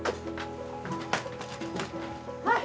はい！